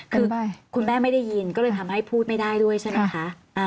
คือคุณแม่ไม่ได้ยินก็เลยทำให้พูดไม่ได้ด้วยใช่ไหมคะ